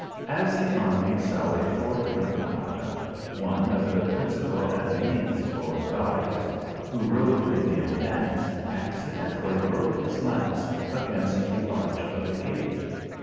As the army sallied forth from Granada, one of the principal adalides or guides, who rode in the advance, accidentally broke his lance against the arch of the gate.